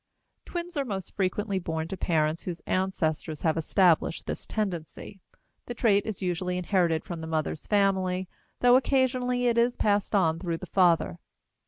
Twins are most frequently born to parents whose ancestors have established this tendency; the trait is usually inherited from the mother's family, though occasionally it is passed on through the father.